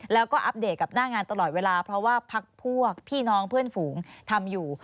แล้วก็อัปเดตกับหน้างานตลอดเวลาเพราะว่าพักพวกพี่น้องเพื่อนฝูงทำอยู่